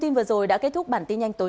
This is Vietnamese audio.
cảm ơn các bạn đã theo dõi